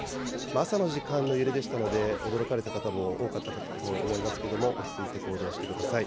朝の時間の揺れでしたので、驚かれた方も多かったと思いますけれども、落ち着いて行動してください。